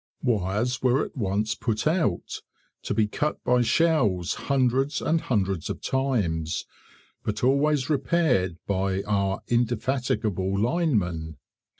Wires were at once put out, to be cut by shells hundreds and hundreds of times, but always repaired by our indefatigable linemen.